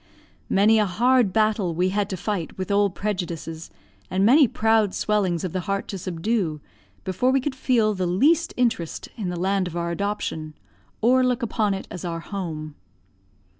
Many a hard battle had we to fight with old prejudices, and many proud swellings of the heart to subdue, before we could feel the least interest in the land of our adoption, or look upon it as our home.